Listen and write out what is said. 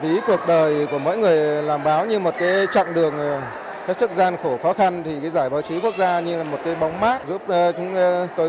ví cuộc đời của mỗi người làm báo như một trạng đường hết sức gian khổ khó khăn thì giải báo chí quốc gia như một bóng mát